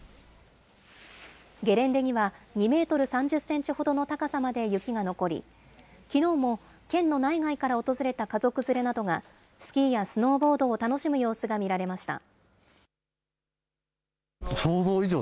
ゲレンデには、２メートル３０センチほどの高さまで雪が残り、きのうも県の内外から訪れた家族連れなどが、スキーやスノーボードを楽しむ様子が見られました。